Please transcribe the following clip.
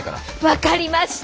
分かりました。